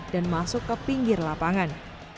dan masuk ke pinggir lapangan